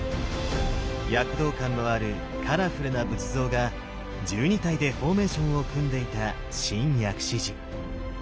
躍動感のあるカラフルな仏像が１２体でフォーメーションを組んでいた新薬師寺。